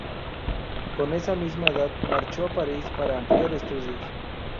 Con esa misma edad marchó a París para ampliar estudios.